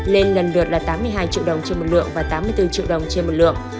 lên lần lượt là tám mươi hai triệu đồng trên một lượng và tám mươi bốn triệu đồng trên một lượng